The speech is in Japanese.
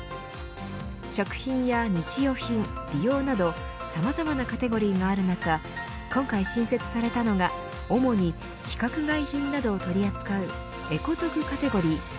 食品や日用品美容などさまざまなカテゴリーがある中今回新設されたのが主に規格外品などを取り扱うエコ得カテゴリー。